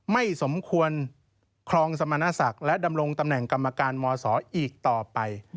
ไม่สมควรครองสมณศักดิ์และดำรงตำแหน่งกรรมการมศอีกต่อไป